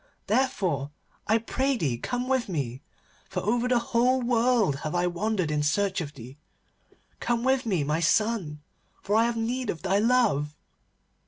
Therefore I pray thee come with me, for over the whole world have I wandered in search of thee. Come with me, my son, for I have need of thy love.